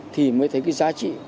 thì mới thấy cái giá trị